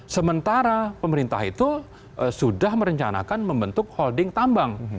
sementara pemerintah itu sudah merencanakan membentuk holding tambang